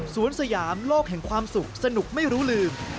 สยามโลกแห่งความสุขสนุกไม่รู้ลืม